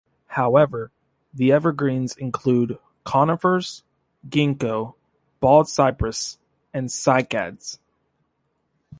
However, the evergreens included conifers, ginkgo, bald cypress, and cycads.